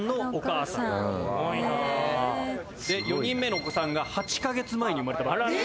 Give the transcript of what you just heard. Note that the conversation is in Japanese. で４人目のお子さんが８か月前に生まれたばかり。